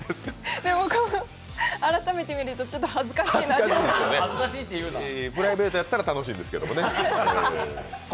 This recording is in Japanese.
でも改めて見ると、恥ずかしいなとプライベートやったら楽しいんですけれどもね。